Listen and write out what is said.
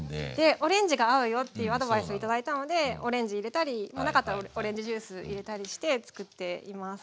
オレンジが合うよっていうアドバイスを頂いたのでオレンジ入れたりなかったらオレンジジュース入れたりしてつくっています。